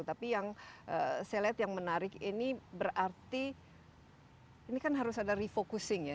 tapi yang saya lihat yang menarik ini berarti ini kan harus ada refocusing ya